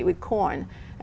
tôi thực sự